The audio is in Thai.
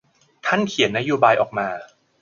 ท่านเขียนนโยบายออกมา